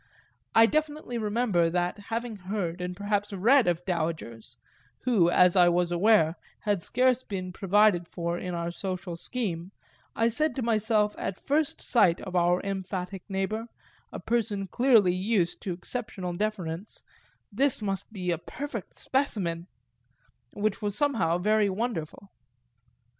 I definitely remember that, having heard and perhaps read of dowagers, who, as I was aware, had scarce been provided for in our social scheme, I said to myself at first sight of our emphatic neighbour, a person clearly used to exceptional deference, "This must be a perfect specimen;" which was somehow very wonderful.